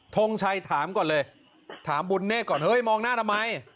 ทงชัยถามก่อนเลยถามบุญเนธก่อนเฮ้ยมองหน้าทำไม